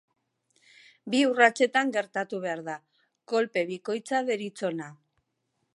Bi urratsetan gertatu behar da, kolpe bikoitza deritzona.